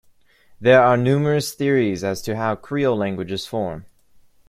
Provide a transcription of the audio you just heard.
There are numerous theories as to how creole languages form.